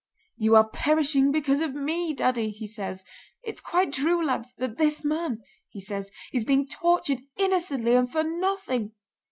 'You are perishing because of me, Daddy,' he says. 'It's quite true, lads, that this man,' he says, 'is being tortured innocently and for nothing!